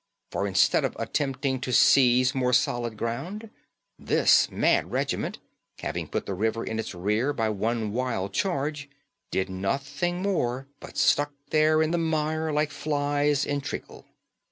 For instead of attempting to seize more solid ground, this mad regiment, having put the river in its rear by one wild charge, did nothing more, but stuck there in the mire like flies in treacle.